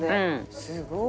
すごい。